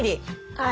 はい。